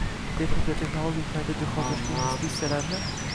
texnik va texnologik qayta jihozlashga investitsiyalarni